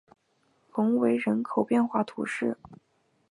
隆维人口变化图示